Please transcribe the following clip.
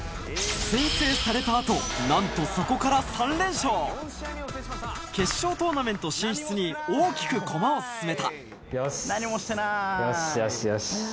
先制された後なんとそこから３連勝決勝トーナメント進出に大きく駒を進めたよしよしよしよし。